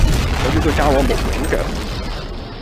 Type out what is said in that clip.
我要佢教我無影腳